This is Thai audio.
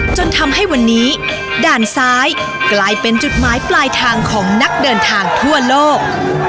จนทำให้วันนี้ด่านซ้ายกลายเป็นจุดหมายปลายทางของนักเดินทางทั่วโลก